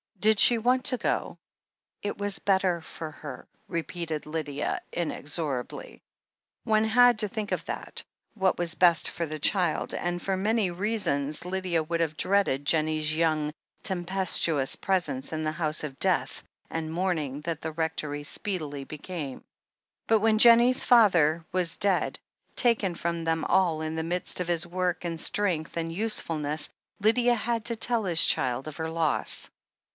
'Did she want to go ?" It was better for her," repeated Lydia inexorably. One had to think of that — ^what was best for the child, and for many reasons Lydia would have dreaded Jennie's young, tempestuous presence in the house of death and mourning that the Rectory speedily be came. But when Jennie's father was dead, taken from them all in the midst of his work and strength and useful ness, Lydia had to tell his child of her loss.